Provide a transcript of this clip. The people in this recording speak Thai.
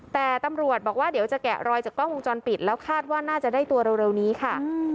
แต่ตำรวจบอกว่าเดี๋ยวจะแกะรอยจากกล้องวงจรปิดแล้วคาดว่าน่าจะได้ตัวเร็วนี้ค่ะ